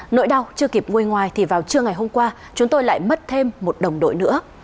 nỗi đau chưa kịp ngôi ngoài thì vào trưa ngày hôm qua chúng tôi lại mất thêm một đồng đội nữa